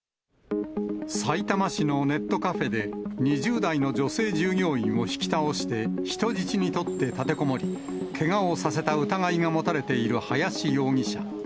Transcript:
さいたま市のネットカフェで２０代の女性従業員を引き倒して人質に取って立てこもり、けがをさせた疑いがもたれている林容疑者。